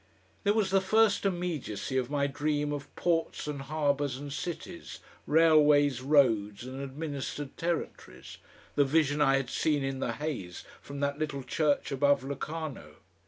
There was the first immediacy of my dream of ports and harbours and cities, railways, roads, and administered territories the vision I had seen in the haze from that little church above Locarno.